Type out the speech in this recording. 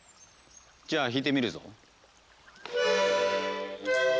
じゃあ弾いてみるぞ。